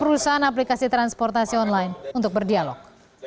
perusahaan aplikasi transportasi online untuk berdialog